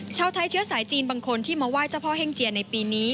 ชาวไทยเชื้อสายจีนบางคนที่มาไหว้เจ้าพ่อเฮ่งเจียในปีนี้